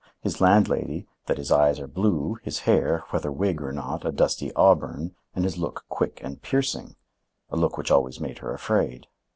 His land lady, that his eyes are blue, his hair, whether wig or not, a dusty auburn, and his look quick and piercing,—a look which always made her afraid.